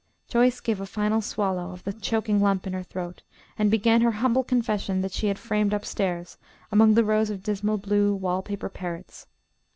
Joyce gave a final swallow of the choking lump in her throat, and began her humble confession that she had framed up stairs among the rows of dismal blue wall paper parrots.